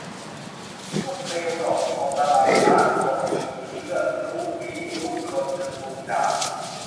ลูกเลวหลอกลวงระรานร้านรวงลือเลื่องลุกลี้ลุกลนจนลุงด่า